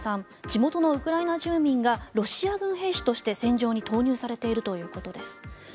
地元のウクライナ住民がロシア軍兵士として戦場に投入されているということです。